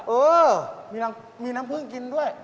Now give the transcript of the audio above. เออมีน้ำผึ้งกินด้วย